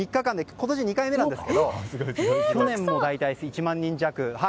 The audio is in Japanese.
今年２回目なんですが去年も大体１万人弱。